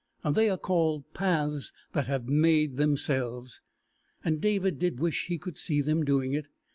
They are called Paths that have Made Themselves, and David did wish he could see them doing it.